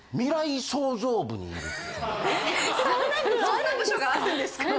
そんな部あるんですか？